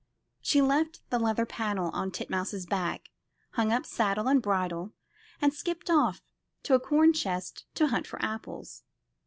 She left the leather panel on Titmouse's back, hung up saddle and bridle, and skipped off to a corn chest to hunt for apples.